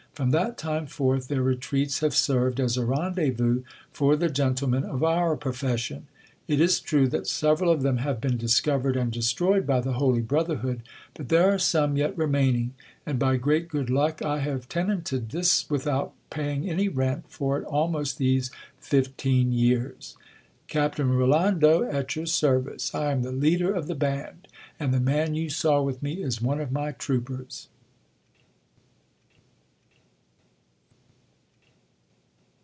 From that time forth their retreats have served as a rendezvous for the gentlemen of our profession. It is true that several of them have been discovered and destroyed by the holy brother hood : but there are some yet remaining ; and, by great good luck, I have tenanted this without paying any rent for it almost these fifteen years : Captain Rolando, at your service ! I am the leader of the band ; and the man you saw with me is one of my troopers.